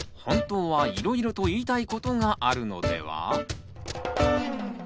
本当はいろいろと言いたいことがあるのでは？